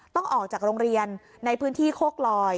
ต้องออกจากโรงเรียนในพื้นที่โคกลอย